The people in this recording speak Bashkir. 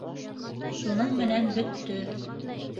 Шуның менән бөттө.